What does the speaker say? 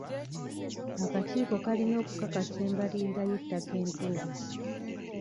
Akakiiko kalina okukakasa embalirira y'ettaka entuufu.